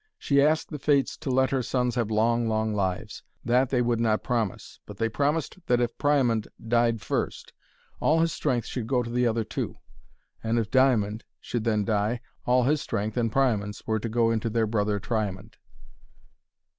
She asked the Fates to let her sons have long, long lives. That they would not promise, but they promised that if Priamond died first, all his strength should go into the other two. And if Diamond should then die, all his strength and Priamond's were to go into their brother Triamond.